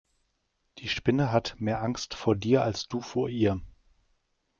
Die Spinne hat mehr Angst vor dir als du vor ihr.